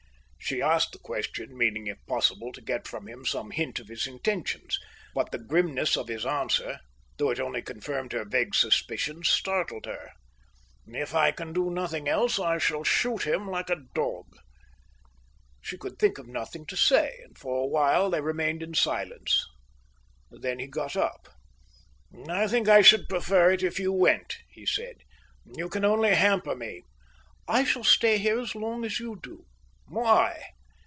She asked the question, meaning if possible to get from him some hint of his intentions; but the grimness of his answer, though it only confirmed her vague suspicions, startled her. "If I can do nothing else, I shall shoot him like a dog." She could think of nothing to say, and for a while they remained in silence. Then he got up. "I think I should prefer it if you went," he said. "You can only hamper me." "I shall stay here as long as you do." "Why?"